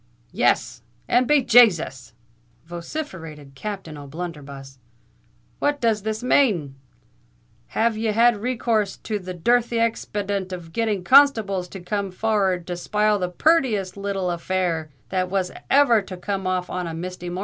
"Yes—and be Jasus!" vociferated Captain O'Blunderbuss: "what does this mane? Have ye had recourse to the dirthy expadient of getting constables to come for ar rd to spile the purtiest little affair that was ever to come off on a misty mornin'?"